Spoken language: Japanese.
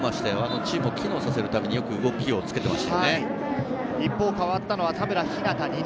チームを機能するためによく動きをつけていました。